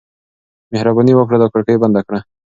مهرباني وکړه دا کړکۍ بنده کړه.